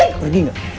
lu gak pergi gak